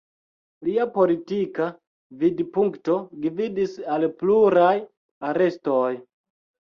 Lia politika vidpunkto gvidis al pluraj arestoj.